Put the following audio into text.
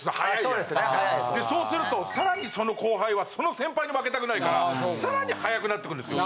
そうするとさらにその後輩はその先輩に負けたくないからさらに早くなってくるんですよ。